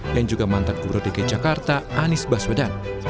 juga mantan gubernur dki jakarta anies baswedan